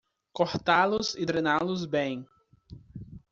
Cortá-los e drená-los bem.